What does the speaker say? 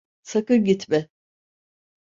Sakın gitme!